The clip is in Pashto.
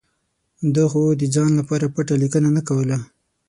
ده خو د ځان لپاره پټه لیکنه نه کوله.